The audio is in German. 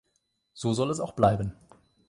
So soll es auch bleiben.